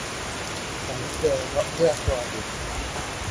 ฉันเจอนกเงือกตัวหนึ่ง